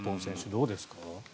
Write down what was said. どうですか？